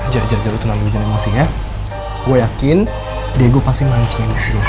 jajar jajar tenang tenang masih ya gue yakin diego pasti mancing